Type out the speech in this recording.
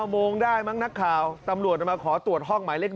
โมงได้มั้งนักข่าวตำรวจมาขอตรวจห้องหมายเลข๑